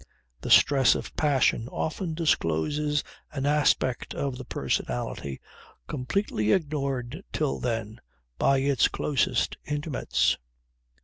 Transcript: The stress of passion often discloses an aspect of the personality completely ignored till then by its closest intimates.